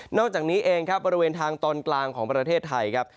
อกจากนี้เองครับบริเวณทางตอนกลางของประเทศไทยครับ